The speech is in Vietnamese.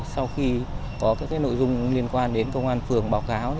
sau khi có các nội dung liên quan đến công an phường báo cáo